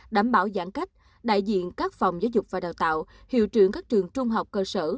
đảm bảo giãn cách đại diện các phòng giáo dục và đào tạo hiệu trưởng các trường trung học cơ sở